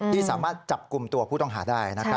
ที่สามารถจับกลุ่มตัวผู้ต้องหาได้